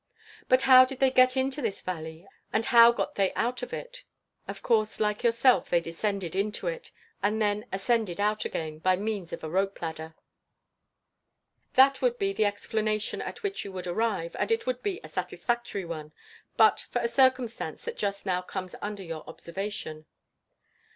But how did they get into this valley, and how got they out of it? Of course, like yourself, they descended into it, and then ascended out again, by means of a rope ladder. That would be the explanation at which you would arrive; and it would be a satisfactory one, but for a circumstance that just now comes under your observation.